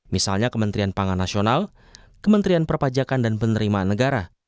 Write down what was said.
misalnya kementerian pangan nasional kementerian perpajakan dan penerimaan negara